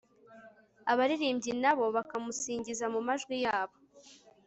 abaririmbyi na bo bakamusingiza mu majwi yabo